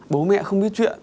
bố mẹ không biết chuyện